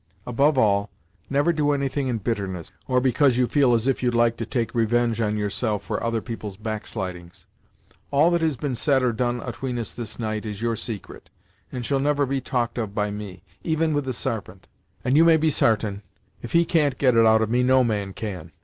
Above all, never do anything in bitterness, or because you feel as if you'd like to take revenge on yourself for other people's backslidings. All that has been said or done atween us, this night, is your secret, and shall never be talked of by me, even with the Sarpent, and you may be sartain if he can't get it out of me no man can.